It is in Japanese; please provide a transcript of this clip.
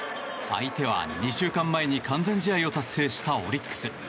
相手は２週間前に完全試合を達成したオリックス。